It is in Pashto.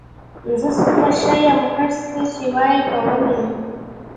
زه څومره ښه یم، هر څه چې وایې کوم یې.